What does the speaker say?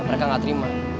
mereka nggak terima